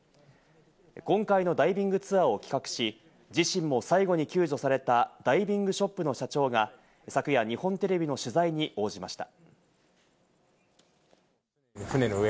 今回のダイビングツアーを企画し、自身も最後に救助されたダイビングショップの社長が昨夜、日本テレビの取材に応じました。